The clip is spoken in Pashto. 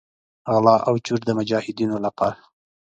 غلا او چور د مجاهدینو لپاره.